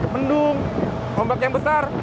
mendung bombak yang besar